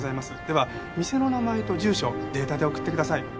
では店の名前と住所データで送ってください。